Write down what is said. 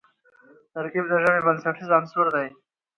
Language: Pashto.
ترکیب د ژبي بنسټیز عنصر دئ.